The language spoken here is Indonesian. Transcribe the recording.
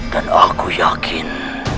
dan aku yakin